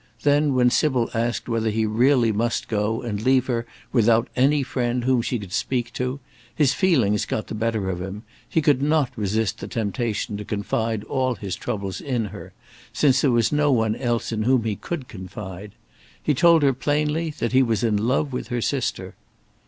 Then when Sybil asked whether he really must go and leave her without any friend whom she could speak to, his feelings got the better of him: he could not resist the temptation to confide all his troubles in her, since there was no one else in whom he could confide. He told her plainly that he was in love with her sister.